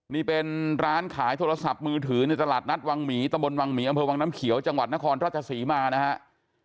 นี่เป็นร้านขายโทรศัพท์มือถือในตลาดนัดวังหมีตะบนวังหมีอำเภอวังน้ำเขียวจังหวัดนครราชศรีมานะครับ